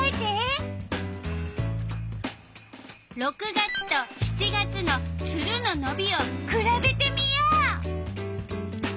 ６月と７月のツルののびをくらべてみよう。